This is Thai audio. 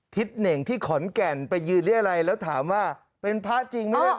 เหน่งที่ขอนแก่นไปยืนเรียรัยแล้วถามว่าเป็นพระจริงไหมล่ะ